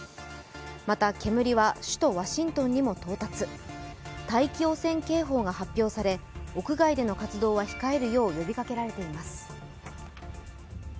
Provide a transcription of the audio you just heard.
また、煙は首都ワシントンにも到達大気汚染警報が発表され屋外での活動は控えるよう呼びかけられています。